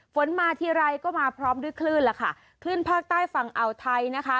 ฝนมาทีไรก็มาพร้อมด้วยคลื่นล่ะค่ะคลื่นภาคใต้ฝั่งอ่าวไทยนะคะ